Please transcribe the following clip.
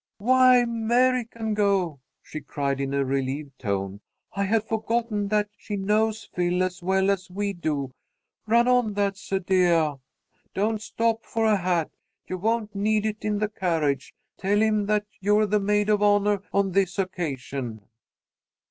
"Why, Mary can go!" she cried, in a relieved tone. "I had forgotten that she knows Phil as well as we do. Run on, that's a deah! Don't stop for a hat! You won't need it in the carriage. Tell him that you're the maid of honah on this occasion!"